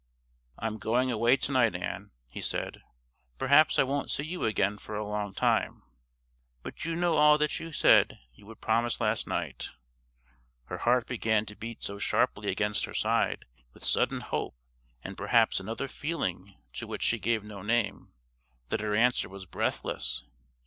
"I'm going away to night, Ann," he said; "perhaps I won't see you again for a long time; but you know all that you said you would promise last night " Her heart began to beat so sharply against her side with sudden hope, and perhaps another feeling to which she gave no name, that her answer was breathless.